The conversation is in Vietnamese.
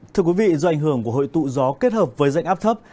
thưa quý vị do ảnh hưởng của hội tụ gió kết hợp với dạnh áp thấp